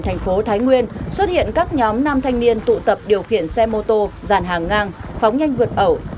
thái nguyên xuất hiện các nhóm nam thanh niên tụ tập điều khiển xe mô tô giàn hàng ngang phóng nhanh vượt ẩu